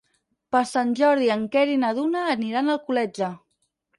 Per Sant Jordi en Quer i na Duna aniran a Alcoletge.